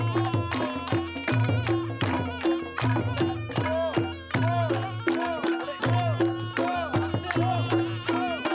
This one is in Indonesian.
kami dilakukan untuk menjaga hak